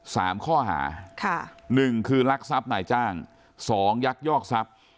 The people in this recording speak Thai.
สามข้อหาค่ะหนึ่งคือรักทรัพย์นายจ้างสองยักยอกทรัพย์